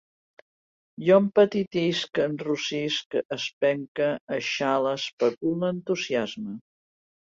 Jo empetitisc, enrossisc, espenque, eixale, especule, entusiasme